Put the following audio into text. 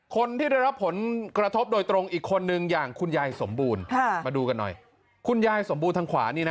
คนที่ได้รับผลกระทบโดยตรงอีกคนนึงอย่างคุณยายสมบูรณ์ค่ะมาดูกันหน่อยคุณยายสมบูรณ์ทางขวานี่นะ